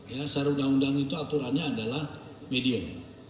ya secara undang undang itu aturannya adalah medium